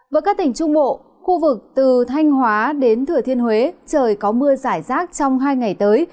với các tỉnh trung bộ khu vực từ thanh hóa đến thừa thiên huế trời có mưa giải rác trong hai ngày tới